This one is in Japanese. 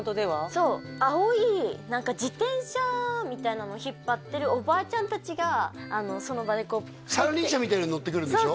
そう青い何か自転車みたいなの引っ張ってるおばあちゃん達がその場でこう三輪車みたいなの乗ってくるんでしょ？